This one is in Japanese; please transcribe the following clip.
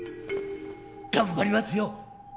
頑張りますよ！